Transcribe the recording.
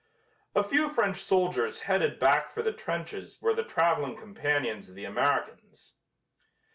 A few French soldiers headed back for the trenches were the traveling companions of the Americans.